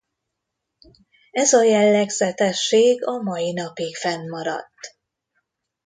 Ez a jellegzetesség a mai napig fennmaradt.